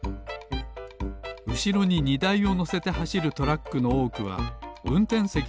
うしろににだいをのせてはしるトラックのおおくはうんてんせき